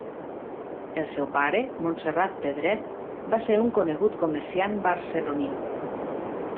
El seu pare, Montserrat Pedret, va ser un conegut comerciant barceloní.